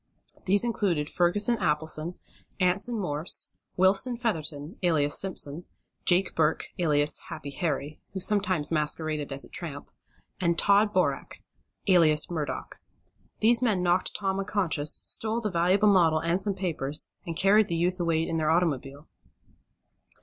These included Ferguson Appleson, Anson Morse, Wilson Featherton, alias Simpson, Jake Burke, alias Happy Harry, who sometimes masqueraded as a tramp, and Tod Boreck, alias Murdock. These men knocked Tom unconscious, stole the valuable model and some papers, and carried the youth away in their automobile.